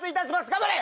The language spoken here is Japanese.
頑張れ！